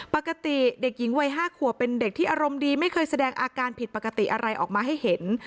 ปกติเด็กหญิงวัย๕ขวบเป็นเด็กที่อารมณ์ดีไม่เคยแสดงอาการผิดปกติอะไรออกมาให้เห็น